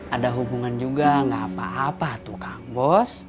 ada hubungan juga gak apa apa tuh kang bos